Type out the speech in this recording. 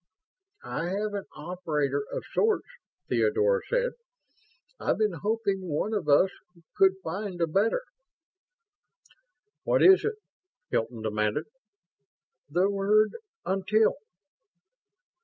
"I have an operator of sorts," Theodora said. "I've been hoping one of us could find a better." "What is it?" Hilton demanded. "The word 'until'."